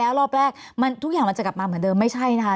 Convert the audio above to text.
แล้วรอบแรกทุกอย่างมันจะกลับมาเหมือนเดิมไม่ใช่นะคะ